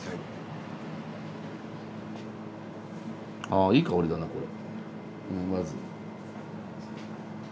あいい香りだなこれ。